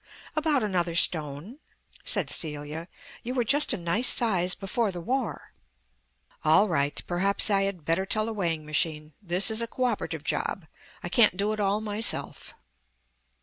"About another stone," said Celia. "You were just a nice size before the War." "All right. Perhaps I had better tell the weighing machine. This is a co operative job; I can't do it all myself."